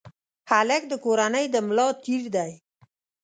هلک د کورنۍ د ملا تیر دی.